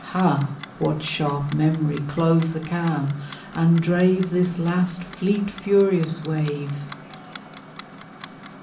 Ha! what sharp memory clove the calm, and drave This last fleet furious wave?